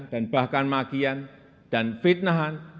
dan bahkan magian dan fitnahan